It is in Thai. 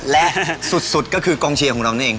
และสุดก็คือกองเชียร์ของเรานั่นเอง